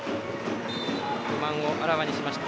不満をあらわにしました。